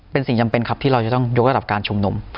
เป็นสิ่งจำเป็นครับที่เราจะต้องยกระดับการชุมนุม